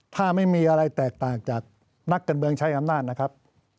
ถ้าไม่มีอะไรแตกต่างจากนักการเมืองใช้อำนาจนะครับ